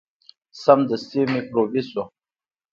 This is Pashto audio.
سمدستي میکروبي شو.